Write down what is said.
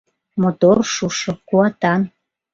Мотор шушо, куатан